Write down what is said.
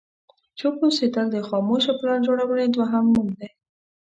چوپ اوسېدل د خاموشه پلان جوړونې دوهم نوم دی.